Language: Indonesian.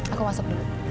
aku masuk dulu